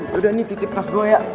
yaudah ini titip tas gue ya